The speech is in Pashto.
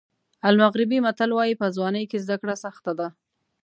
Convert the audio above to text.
المغربي متل وایي په ځوانۍ کې زده کړه سخته ده.